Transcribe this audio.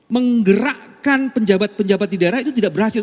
menggerakkan penjabat penjabat di daerah itu tidak berhasil